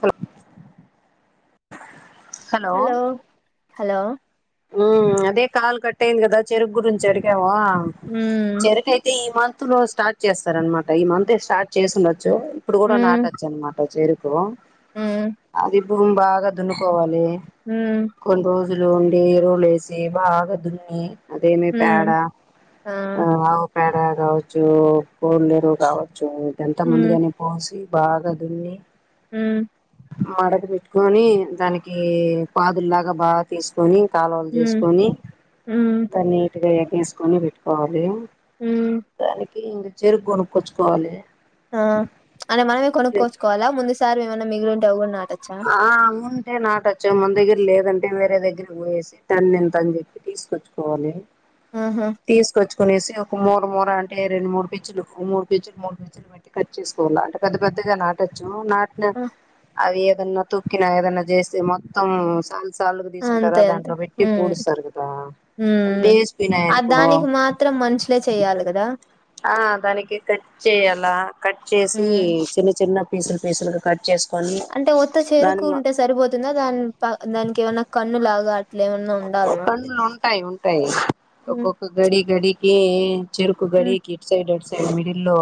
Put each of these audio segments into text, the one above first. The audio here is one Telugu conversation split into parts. హలో హలో హలో మ్ అదే కాలు కట్టయింది కదా చెరుకు గురించి చెరిగావా ఉమ్ చెరుకైతే ఈమాత్ లో స్టార్ట్ చేస్తారన్నమాట ఈ మంత్ స్టార్ట్ చేసి ఉండొచ్చు ఇప్పుడు కూడా ఉమ్ నాటోచ్చన్నమాట చెరు కి ఉమ్ అది భూమ్ బాగా దున్నుకోవాలి కొన్ని రోజులు ఎరువులేసి బాగ దున్నీ అదేమీ ఉమ్ పేడా ఆ అవ్ పేడ కావచ్చు కోళ్ళేరువు కావచ్చు ఇదంతా ముందుగానే పోసి బాగాదున్ని మ్ మడకు పెట్టుకొని దానికి పాదుల్లాగా బాగా తీసుకొని కాలువలు ఉమ్ చేసుకొని ఉమ్ నీట్గా ఎగేసుకొని పెట్టుకోవాలి ఉమ్ దానికి ఇంగ చెరుకొనుక్కొచ్చుకోవాలి ఆ అంటే మనమే కొనుక్కోచ్చుకోవాలా ముందుసారి వేమన్నా మిగిలుంటే అవి కుడా నాట్ ఆ అవ్వుంటే నాటోచ్చు మన దగ్గర లేదంటే వే దగ్గర పోేసి తన్నిత చెప్పి తీసుకొచ్చుకోవాలి ఆహా తీసుకొచ్ కొనేసి ఒక మూర మూర అంటేె రెండు మూడు పిచ్చులు మూడుపిచ్చులు ముడు పిచ్చులు పెట్టి కట్ చేసుకోవాల అంటే పెద్ద పెద్ ద్దగా నాటోచ్చు నాట్ ఆ అది ఏదన్నా తొక్కిన ఏదన్నా చేస్తే మొత్తం సన్ సాలుకు తీసుంటారా అంతే దాంట్లో పెట్టి పుడుస్తారు కదా మ్ అవి మ్ ఆ లేసిపోయినాయనుకో దానికి మాత్రం మనుషులే చెయ్యాలి కదా ఆ దానికి కట్ చేయాలా కట్ చేసి మ్మ్ చిన్న చిన్న పీసులు పీసులుగ కట్ చేస్ అంటే ఉత్త చెరుకు ఉంటే సరిపోతుందా దాని దానికేమన్నా కన్ను లాగా అట్లా ఏమన్నా ఉండాలనా కండ్లు ఉంటాయి ఉంటాయి ఉమ్ ఒక్కొక్క గడి గడికి చెరుకు ఉమ్ గడికి ఇటు సైడ్ అటు సైడ్ మిడిల్ లో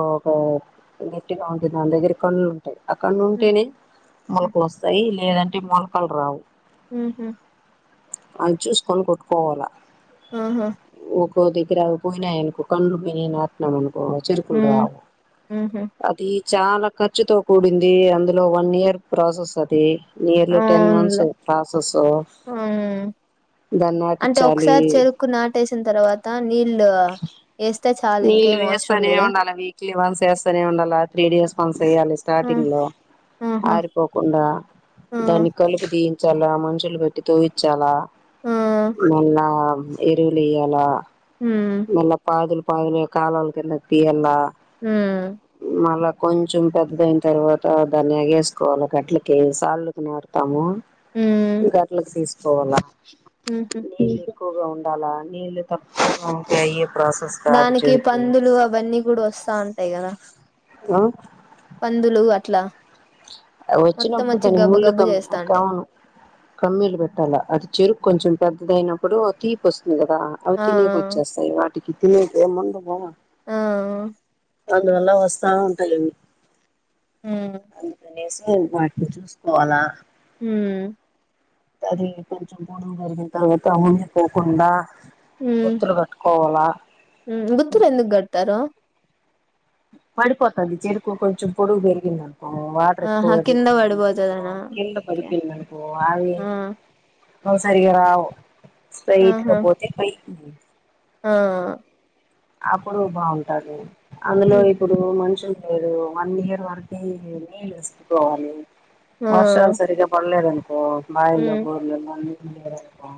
గట్టిగ ఉంటుంది దని దగ్గర కన్ను లంటాయి ఆ కన్ను ఉమ్ ఉంటేనే ఉమ్ మొలకలోస్తాయి లేదంటే మొలకలు రావు మ్ హు అవి చూసుకొని కొట్టుకోవాలా ఆహా ఒకో దగ్గర పోయినాయనుకు కండ్లు పోయినయి నాటినాం అనుకు కో చేరుకులు రావు ఉహు అది చాలా ఖర్చుతో కూడింది అందులో వన్ ఇయర్ ప్రాసెస్ అది నియర్లీ టెన్ మంత్స్ అవునులే ప్రాసెస్ హ్మ్ దాన్ని అంటే నాటించాలి ఒకసారి చెరుకు నాటేసిన తర్వాత నీళ్ళు వేస్తే నీళ్ళు వేస్తనే ఉండాలే వీక్లీ వన్స్ వేస్తనే ఉండాల త్రీ డేస్ మన్స్ వేయ్యాలి హ్మ్ స్టార్టింగ్ లో ఆహా ఆరిపోకుండా ఆ దాన్ని కలిపి తీీయించాలా మనుషులు పెట్టి తోవ్వించాలా ఆ మళ్ళ ఎరువులేయలా హ్మ్ మళ్ళ పాదులు పయలు కాలువల కిందక్ తీయల్ల మ్ కొంచెం పెద్దదైన తర్వాత ధన్ని ఎగేసుసుకోవాలే గట్లకి సార్ళ్లుకి నాటుతాము హ్మ్ గట్లకి తీసుకోవాల హుహు మ్ ఎక్కువగా ఉండాలా నీళ్ళు తక్కువగ ఉంటే అయ్యి దానికి పందులు అవన్నీ కూడా వస్తా ఉంటాయి కదా ఆ పందులు అట్లా మొత్తం వచ్చినప్పుడు వచ్చి దని గబ్బు ముళ్ళు గబ్బు కమ్ చేస్తాంటాయి అవును కమ్మిలు పెట్టాలా అది చెరుకు కొంచెం పెద్దదైన ప్పుడు తీపి వస్తుంది కదా అవి ఆ తినేకోచ్చేస్తాయి వాటికి తినేకి ముందుగా ఆ అందువల్ల వస్తా ఉంటాయి అవి హ్మ్ అందుకు అనేసి వాటిని చూసుకోవాలా హ్మ్ అది కొంచెం గూడ జరిగిన తర్వాత ఊనిపోకుండా హు గుత్తూర్ ఎందుకు గడతారు పడిపోతుంది చెరుకు కొంచెం పొడుగు పెరిగింద వాటర్ ఎక్కువ ఆహా కింద దనిఅనుకో పడిపోతదనా కింద ఓకే పడిపోయింది అనుకో ఆ ఒకసారి ఇగ రావు స్ట్రైట్ గా ఆహా పోతే ఫై ఆ అప్పుడు బాగుంటారు అందులో హ్మ్. ఇప్పుడు మనుషులు మీరు వన్ ఇయర్ వరకు నీళ్ళు వేసుకోవాలి ఆ వర్షాలు సరిగా పల్లేదనుకో బాయిల్లో హ్మ్ బోర్లల్లో నీరు లేదనుకో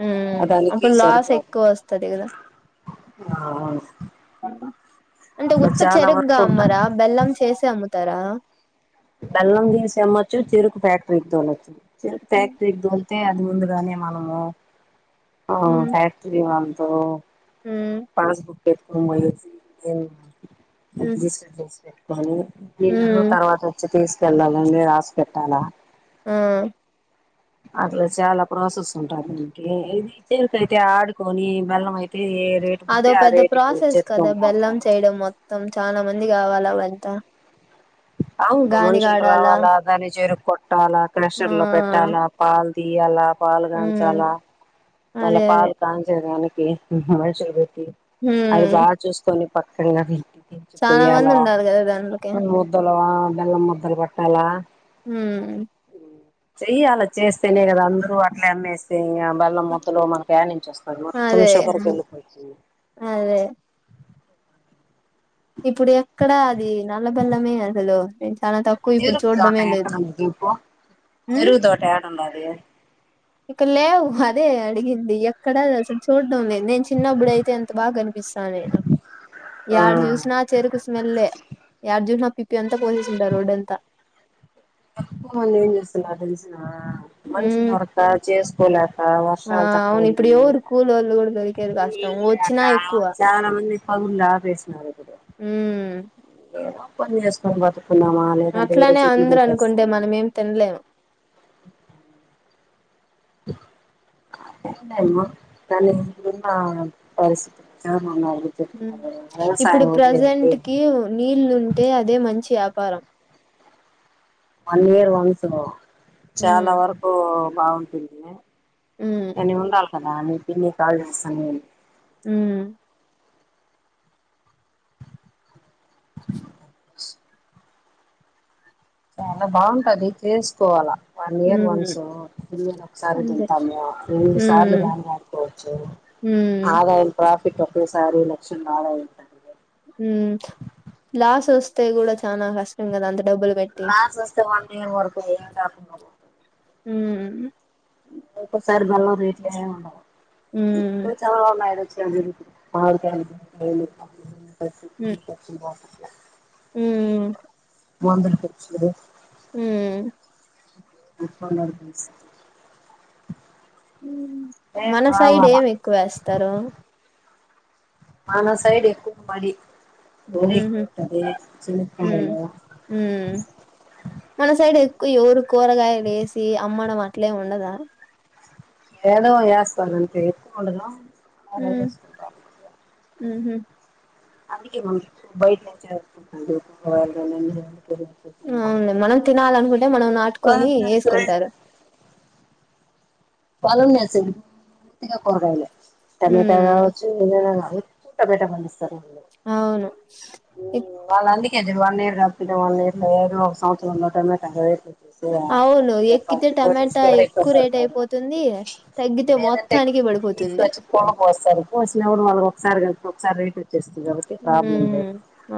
హ్మ్ అదానికి అప్పుడు లాస్ సరిపోదు ఎక్కువ వస్తది కదా ఆ అంటే ఉత్త చాలా చెరుగ్గా వరకు ఉంటాది అమ్మరా బెల్లం చేసే అమ్ముతారా బెల్లం చేసి అమ్మచ్చు చెరుకు ఫ్యాక్టరీకి దోలొచ్చు చెరుకు హ్మ్ ఫ్యాక్టరీకి అయితే అది ముందుగానే మనము ఆ హ్మ్ ఫ్యాక్టరీ వాళ్లతోను హ్మ్ పాస్ బుక్ ఎత్తుకొని పోయచ్చి హ్మ్ లరు నేను హ్మ్. తర్వాత వచ్చి తీసుకెళ్ళాలండి రాసి పెట్టాలా ఆ అట్లా చాలా ప్రాసెస్ ఉంటది దనికి ఇది చేరుక అయితే ఆడుకొని బెల్లం అయితే ఏ రేటు అదో పోతే ఆ పెద్ద రేటుకి ప్రాసెస్ కదా వచ్చేత్తుకొని బెల్లం పోతారు చేయడం మొత్తం చాన మంది కావాలి అవంతా అవును మనుషులు గానిగాడాలా రావాలా దాన్ని చెరుకు కొట్టాలా ఆ క్రెషర్ లో పెట్టాలా పాల్ తీయాలా పాలు హ్మ్ కాంచాలా మళ్ళా అదే అదే పాలు కాంచేదానికి మనుషులు అది హ్మ్ బాగా చూసుకొని పక్కగా వి చాలా పొయ్యాల మంది ఉండాలి కదా దాంట్లోకి ముద్దలు బెల్లం ముద్దలు పట్టాలా హ్మ్ చెయ్యాల చేస్తేనే కదా అందరూ అట్లే అమ్మేస్తే ఇంక బల్లం మొత్తం లో మనకు యానించి వస్తది మొత్తం అదే షుగరికి వెళ్ళి పోద్ది అదే ఇప్పుడు ఎక్కడా అది నల్లబెల్లమే అసలు నేను చాలా తక్కువ ఇప్పుడు చెరుగు తోట చూడ్డమే లేదు ఎక్కడంద ఇప్ప చెరుగు తోట యడుండాది ఇక్క లేవు అదే అడిగింది ఎక్కడా అసల్ చూడడం లేదు నేను చిన్నప్పుడు అయితే అంత బాగా కనిపిస్తా నాకు ఆ యాడ జూసిన చెరకు స్మెల్లే ఎటనో అంతా పొసేసింటారు రోడ్ అంతా పక్కోళ్ళు ఏం చేస్తున్నారు తెలిసిన మనిషి ఉమ్ దొరక చేసుకోలేక ఆ వర్షాలు తక్కువ అవును ఇప్పుడు ఉంది ఎవరు కూలోళ్ళు కూడా దొరికేది కష్టం నీళ్ళు లేక వచ్చినా ఎక్కువ చాలా మంది పనులు ఆపేసినారు ఇపుడు ఊమ్ ఏదో పని చేస్కొని బతుక్ న్నామా లేదంటే వేరే అట్లానే చెట్లు అందరు అనుకుంటే పెట్టేస్తాను మనం అ ఏం తినలేము అమ్ నన్న పరిస్థితి ఇప్పుడు ప్రజెంట్ కి నీళ్ళు ఉన్ అంటే అదే మంచి వ్యాపారం వన్ ఇయర్ వన్స్ చాలా ఉమ్ వరకు బాగుంటుంది ఉమ్ ఎని ఉండాల కదా మీ పిన్ని కాల్ చేస్తాంది ఉ చాలా బాగుంటది చేసుకోవాలా వన్ ఇయర్ ఉమ్ వన్సు మేను ఒకసారి అంతే తింటాము రెండు ఉమ్ సార్లు వన్ వాడుకోవచ్చు ఉమ్ ఆదాయం ప్రాఫిట్ ఒకేసారి లక్షలు ఆదాయం ఉ లాస్ వస్తే కూడా చనా కష్టం కదా అం లాస్ట్ వస్తే వన్ ఇయర్ వర్కు ఏకు ఉ ఒకోసారి బెల్లం రేట్లే ఉమ్ ఉండవు చన్నా ఆర్గానిక్ పసుపు పసుపు ఊమ్ వందల ఖర్చు ఊమ్ ఇప్పన్న మన సైడ్ ఏమి ఎక్కువేస్తారు మన సైడ్ ఎక్కువ మడి వరి ఉహు ఎక్కువ ఉంటది ఉ చెనక్కాయలు ఉ మన సైడ్ ఎక్ ఎవరు కూరగాయలు ఏసి అమ్మడం అట్లేం ఉండదా ఏదో ఏస్తారు అంతే ఎక్కువగా ఉమ్ ఉండదస్ ఉహు అందుకే బయటినుంచి వునులే మనం తినాలనుకుంటే మనం నాటుకొని వేసుకుంటాం వేసుకుంటారు పాలం కూరగాయలే టమాటా ఉమ్ కావచ్చు ఊటా బటా బస్ అవును ఏది వన్ ఇయర్ రా వన్ ఇయర్ లో ఏదో ఒక సంవత్సరం లోట లోటా అవును ఎక్కితే టమాటా ఎక్కువ స్యిసర రేట్ క అయిపోతుంది తగ్గితే [unintelligible] లేదంటే మొత్తానికి ని పడిపోతుంది పోస్తాను కోసిన కూడ వాళ్ళు ఒకసారి కాదు ఒకసారి రేట్ వచ్చేస్తుంది కాబట్టి ఉ ప్రాబ్లం లేదు హ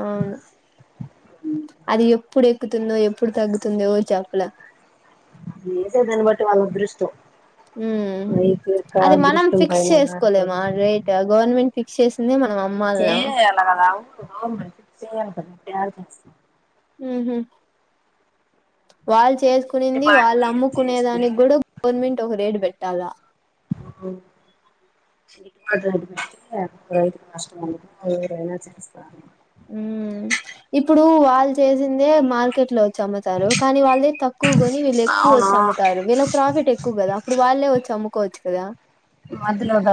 ఏ ఎప్పుడు ఎక్కుతుందో ఎప్పుడు తగ్గుతుందో చేప్పలేం లేసే దాన్ని బట్టి వాళ్ళ అదృష్టం రైతు యొక్క అది మనం అదృష్టం ఫిక్స్ పైన చేసుకోలేమా ఆధారపడి రేట్ గవర్నమెంట్ ఫిక్స్ చేసింది చేయ అలా కదా ఊ మనం ఫిక్స్ చేయాలి కదా తారు చేస్తా ఉహు వాళ్ళు అయితే చేసుకునింది గిట్టుబాటు వాళ్ళు అమ్ముకునే చేస్తే దానికి కూడా గవర్నమెంట్ ఒక రేటు పెట్టాలా పెట్టితు కష్టం ఎవరైనా చేస్తరు ఉ ఇప్పుడు వాళ్ళు చేసిందే మార్కెట్ లో వచ్చ అమ్ముతారు కానీ వాళ్ళే తక్కువ కొని వీళ్ళు ఎక్కువ అవును వచ్చి అమ్ముతారు వీళ్ళ ప్రాఫిట్ ఎక్కువ కదా అప్పుడు వాళ్ళే వచ్చి అమ్ము కోవచ్చుకదా మధ్యలోలా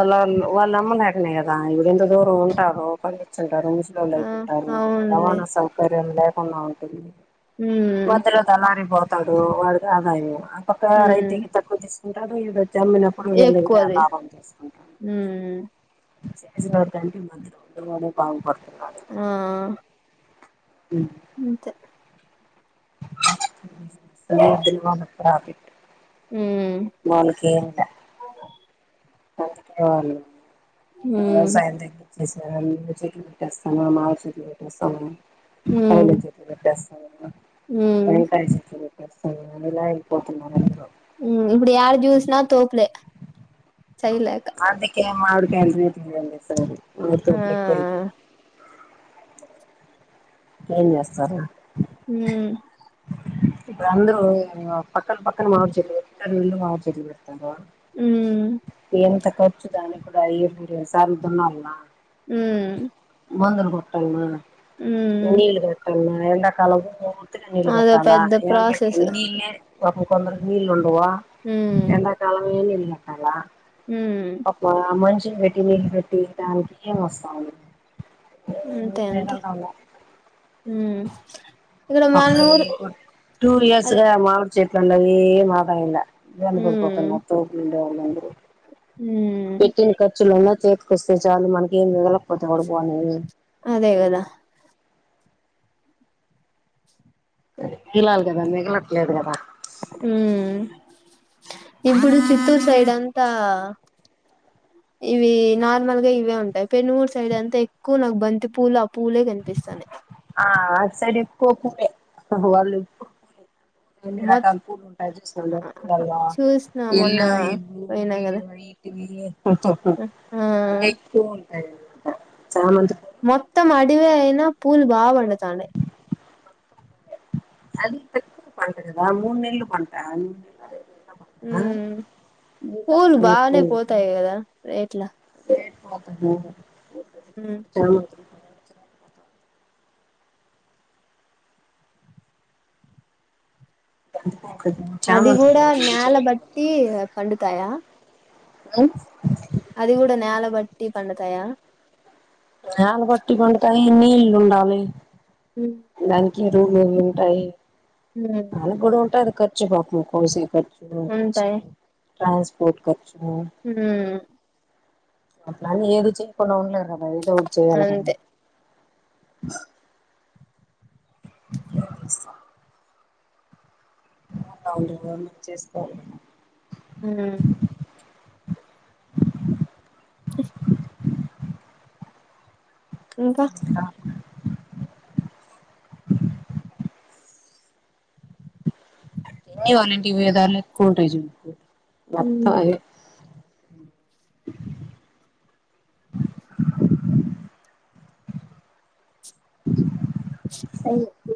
వాళ్ళు నమ్మలేకనేయి కదా ఇప్పుడు ఎంత దూరం ఉంటారో ముసలోళ్ళు ఆ అయిపోయి ఉంటారు అవునులే రవాణా సౌకర్యం లేకుండా ఉంటుంది ఉమ్ మధ్యలో దలారి పోతాడు వాడు ఆదాయం ఆ పక్క ఉమ్ రైతుకి తక్కువ కుంటారు ఈడు చమ్మినప్పుడు వీళ్ళ ఎక్కువది లాభం చేసుకుంటారు ఉమ్ చేజీవా త మ పాపో [unintelligible] ఆ అంతే తర్వాత సినీ మానే ప్రాఫిట్ ఉమ్ వాళ్లకి కంపెనీ వాళ్లకి ఉమ్ సాయం దగ్గరారా చెట్లు పెట్టేస్తాను మా చెట్లు పెట్టేస్తాను ఉమ్ అవునంచి ఉమ్ టకా ఇలా అపోతున్నారు అని చైలేక ఏ మాడి కాయలు రెట్లు తెస్తా ఆ లేడు ఏం చేస్తారా హ ఇప్పు అంద్రూ పక్కన పక్కన మామిడి చెట్లు పెట్టుకుంటారు నేను కూడా ఉమ్ ఎంత ఖర్చు దాని కూడా ఇరై సార్లు తున్నాల ఉమ్ మందులు కొట్టల్ ఉమ్ నీళ్ళ కట్టన్నా ఎండాకాలము పూర్తిగా నీళ్లు అదో కట్టాల పెద్ద ఎండలకి ప్రాసెస్ నీళ్ళే ఒక కొందరుకి నీళ్ళు ఉండడువా ఉమ్ ఎండాకాలం ఏ నీళ్ళట్టాల ఉమ్ అబ్బా మనిషిని పెట్టి నీళ్లు పెట్టి దానికి ఏం వస్తాంది అంతే అంతే హ టూ అదే ఇయర్స్గా మామిడి చేట్ండవే మాదాల వెలు ఉమ్ పడిపోతున్నారు తోలుండే వాళ్ళరూ ఉమ్ పెట్టిన ఖర్చులు ఉన్నా ఇస్తే చాలు మనకి ఏం మీగులా లేకపోతే కూడా పోనే అదే కదా మిగలాలి కదా మిగలట్లేదు కదా హ ఇప్పుడు చిత్తూరు సైడ్ అంతా ఇవి నార్మల్ గా ఇవే ఉంటాయి పెన్నూరు సైడ్ అంతా ఎక్కువ నాకు బంతి పూలు ఆ పూలే కనిపిస్తానయి ఆ సైడ్ ఎక్కువ పువ్వు ఏ కూడ వాళ్ళు ఎక్కువ కూ ఎన్ని మొత్ రకాల పూలు ఉంటాయి చూస్తారు బ పూలల్ చూసిన మొన్న ఎల్లు ఎలు పోయినా బి కదా చప్పు ఆ ఎక్కవ ఉంటయి మొత్తం అడివే అయినా పూలు బా వడతానాయి అది పెద పంట మూడు నెల్ల పంట ఉ నెలలు ఐదు నెలల పంట నీళ్ళు పూలు అవసరం ఎక్కువ బాగానే పోతాయి కదా రేట్లా ఉమ్ అది చామంతి కూడా పూలకు మంచి నేల రేట్ బట్టి పండుతాయా ఆ అది కూడా నేలబట్టి పండుతాయా నీ నీల్ ఉండాలే హ [unintelligible] ఉమ్ వాళ్లకి కూడా ఉంటాయి అది ఖర్చు పాపము కోసీ ఖర్చు ఉంటాయి ట్రాన్స్పోర్ట్ ఖర్చు ఉమ్ అట్లా అని ఏది చేయకున్నాలేదా ఏదో ఒక చేయ్యాల అంతే [unintelligible] ఉమ్ అ ఇంకా ఆ ఉమ్ [unintelligible] అ